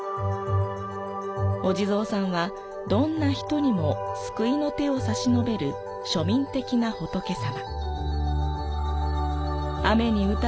お地蔵さんはどんな人にも救いの手を差し伸べる庶民的な仏様。